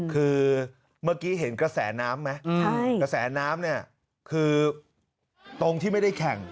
คือเมื่อกี้เห็นกระแสน้ำไหมกระแสน้ำเนี่ยคือตรงที่ไม่ได้แข่ง